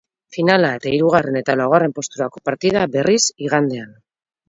Finala eta hirugarren eta laugarren posturako partida, berriz, igandean.